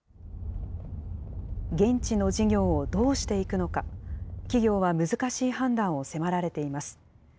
現地の事業をどうしていくのか、企業は難しい判断を迫られています。